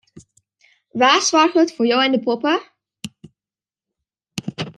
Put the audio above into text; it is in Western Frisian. Wa soarget foar jo en de poppe?